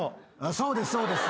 そうですそうです。